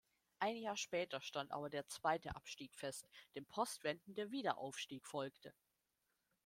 Ein Jahr später stand aber der zweite Abstieg fest, dem postwendend der Wiederaufstieg folgte.